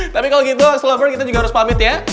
tapi kalau gitu slover kita juga harus pamit ya